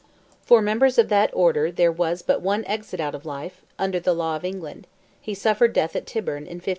For members of that order there was but one exit out of life, under the law of England: he suffered death at Tyburn in 1581.